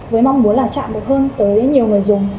với mong muốn là chạm được hơn tới nhiều người dùng